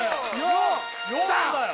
４だよ！